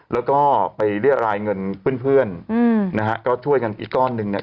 แล้วก็ไปเรียรายเงินเพื่อนเพื่อนอืมนะฮะก็ช่วยกันอีกก้อนหนึ่งเนี่ย